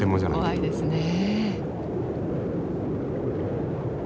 怖いですね。